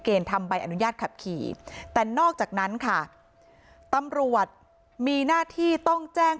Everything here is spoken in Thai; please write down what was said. ทำใบอนุญาตขับขี่แต่นอกจากนั้นค่ะตำรวจมีหน้าที่ต้องแจ้ง